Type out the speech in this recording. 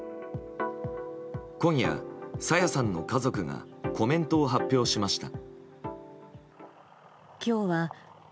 今夜、朝芽さんの家族がコメントを発表しました。